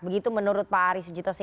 begitu menurut pak arief sujito